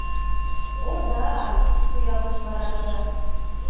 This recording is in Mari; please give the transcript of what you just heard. — О да, — шуялтыш вараже.